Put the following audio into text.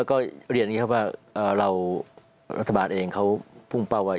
แล้วก็เรียนอย่างนี้ครับว่าเรารัฐบาลเองเขาพุ่งเป้าไว้